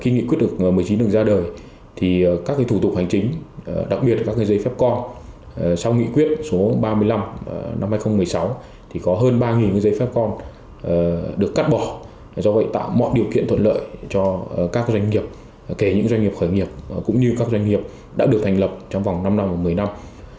nghị quyết một mươi chín được ra đời thì các thủ tục hành chính đặc biệt các giấy phép con sau nghị quyết số ba mươi năm năm hai nghìn một mươi sáu thì có hơn ba giấy phép con được cắt bỏ do vậy tạo mọi điều kiện thuận lợi cho các doanh nghiệp kể những doanh nghiệp khởi nghiệp cũng như các doanh nghiệp đã được thành lập trong vòng năm năm và một mươi năm